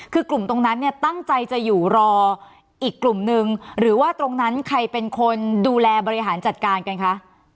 คือกลุ่มตรงนั้นเนี่ยตั้งใจจะอยู่รออีกกลุ่มนึงหรือว่าตรงนั้นใครเป็นคนดูแลบริหารจัดการกันคะ